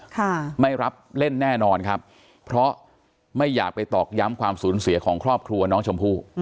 ค่ะไม่รับเล่นแน่นอนครับเพราะไม่อยากไปตอกย้ำความสูญเสียของครอบครัวน้องชมพู่